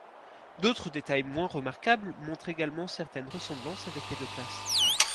D'autres détails moins remarquables montrent également certaines ressemblances avec les deux classes.